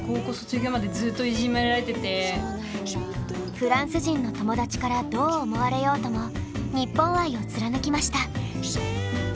フランス人の友達からどう思われようとも日本愛を貫きました。